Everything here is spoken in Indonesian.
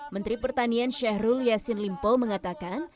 menteri pertanian syahrul yassin limpo mengatakan